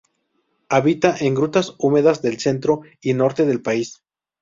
Habita en grutas húmedas del centro y norte del país.